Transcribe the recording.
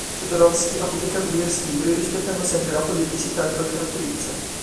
Jodorowsky ha pubblicato diversi libri rispettando sempre la poliedricità che lo caratterizza.